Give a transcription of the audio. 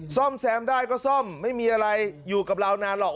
ซ่อมแซมได้ก็ซ่อมไม่มีอะไรอยู่กับเรานานหรอก